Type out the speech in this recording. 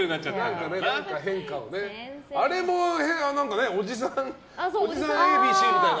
それから、あれもおじさんＡ、Ｂ、Ｃみたいな。